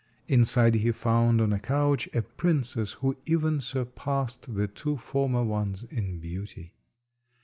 Inside he found on a couch a princess who even surpassed the two former ones in beauty.